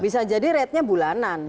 bisa jadi ratenya bulanan